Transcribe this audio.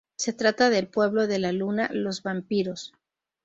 Se trata del pueblo de la luna, los vampiros.